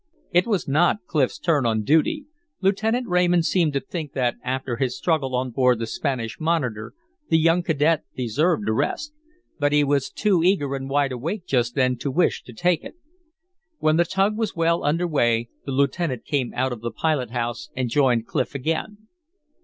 It was not Clif's turn on duty. Lieutenant Raymond seemed to think that after his struggle on board the Spanish monitor the young cadet deserved a rest. But he was too eager and wide awake just then to wish to take it. When the tug was well under way the lieutenant came out of the pilot house and joined Clif again.